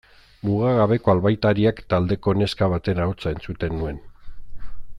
Mugagabeko Albaitariak taldeko neska baten ahotsa entzuten nuen.